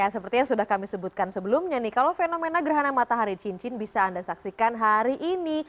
seperti yang sudah kami sebutkan sebelumnya nih kalau fenomena gerhana matahari cincin bisa anda saksikan hari ini